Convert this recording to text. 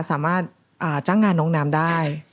สามารถจ้างงานน้องน้ำได้